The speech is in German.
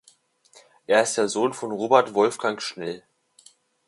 Er ist der Sohn von Robert Wolfgang Schnell.